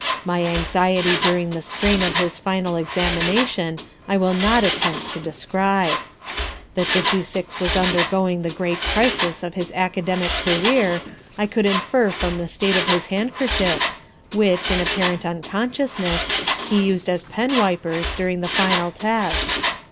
My anxiety during the strain of his final examination I will not attempt to describe. That Fifty Six was undergoing the great crisis of his academic career, I could infer from the state of his handkerchiefs which, in apparent unconsciousness, he used as pen wipers during the final test.